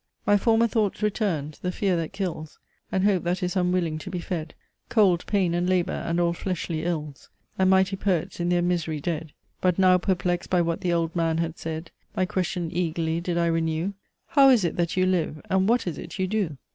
"My former thoughts returned; the fear that kills; And hope that is unwilling to be fed; Cold, pain, and labour, and all fleshly ills; And mighty Poets in their misery dead. But now, perplex'd by what the Old Man had said, My question eagerly did I renew, 'How is it that you live, and what is it you do?'